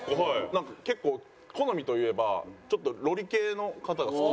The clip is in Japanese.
なんか結構好みといえばちょっとロリ系の方が好き。